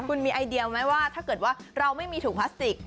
คุณมีไอเดียไหมว่าถ้าเกิดว่าเราไม่มีถุงพลาสติก